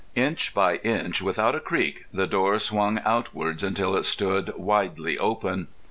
Inch by inch, without a creak, the door swung outwards until it stood widely open.